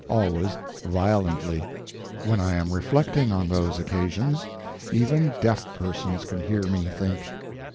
Always violently. When I am reflecting, on those occasions, even deaf persons can hear me think.